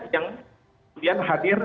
yang kemudian hadir